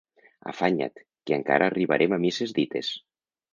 Afanya't, que encara arribarem a misses dites!